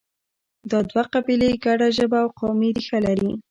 دا دوه قبیلې ګډه ژبه او قومي ریښه لري.